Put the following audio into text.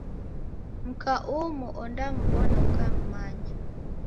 Mka umu ondam'mbona ukam'manya.